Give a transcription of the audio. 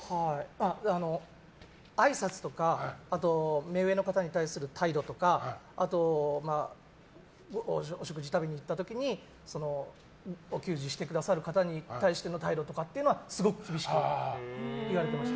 あいさつとか目上の方に対する態度とかあと、お食事を食べに行った時にお給仕してくださる方に対しての態度とかはすごく厳しく言われてました。